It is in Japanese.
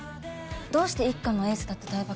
どうして一課のエースだった台場